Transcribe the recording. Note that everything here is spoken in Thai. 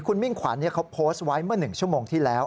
คุณมิ่งขวัญเขาโพสต์ไว้เมื่อ๑ชั่วโมงที่แล้ว